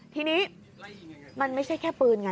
ทีนี้มันไม่ใช่แค่ปืนไง